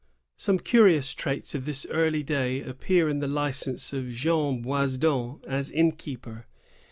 ^ Some curious traits of this early day appear in the license of Jean Boisdon as innkeeper.